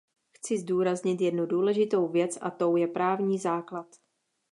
Chci zdůraznit jednu důležitou věc, a tou je právní základ.